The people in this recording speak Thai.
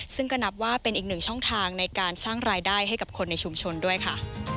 ซึ่งก็นับว่าเป็นอีกหนึ่งช่องทางในการสร้างรายได้ให้กับคนในชุมชนด้วยค่ะ